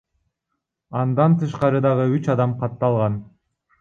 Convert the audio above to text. Андан тышкары дагы үч адам катталган.